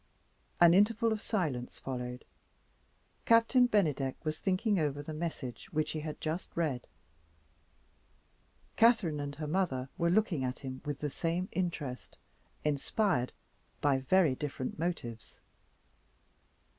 An interval of silence followed. Captain Bennydeck was thinking over the message which he had just read. Catherine and her mother were looking at him with the same interest, inspired by very different motives.